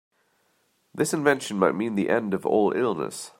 This invention might mean the end of all illness.